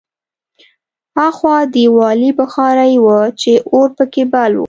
هاخوا دېوالي بخارۍ وه چې اور پکې بل و